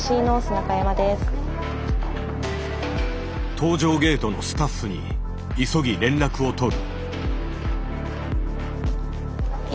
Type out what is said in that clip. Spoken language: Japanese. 搭乗ゲートのスタッフに急ぎ連絡をとる。